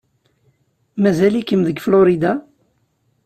Mazal-ikem deg Florida?